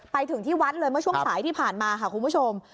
ไปถึงที่วัดเลยเมื่อช่วงสายที่ผ่านมาค่ะคุณผู้ชม